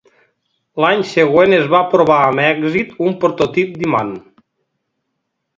L'any següent es va provar amb èxit un prototip d'imant.